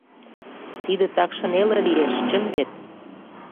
Тиде такше неле лиеш, чын вет?